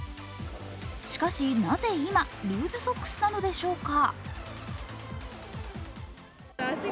しかし、なぜ今、ルーズソックスなのでしょうか。